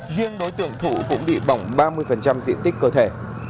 riêng đối tượng thụ cũng bị bỏng ba mươi diện tích cơ thể